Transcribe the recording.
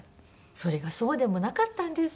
それがそうでもなかったんです。